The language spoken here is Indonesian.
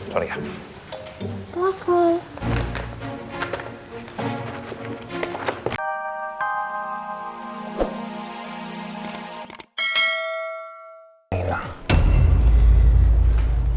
hai soalnya aku